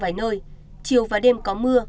vài nơi chiều và đêm có mưa